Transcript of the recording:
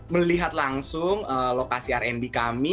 melihat langsung lokasi r d kami